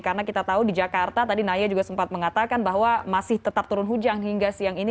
karena kita tahu di jakarta tadi naya juga sempat mengatakan bahwa masih tetap turun hujan hingga siang ini